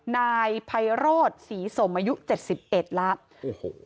นายไพโรธศรีสมอายุเจ็ดสิบเอ็ดแล้วโอ้โห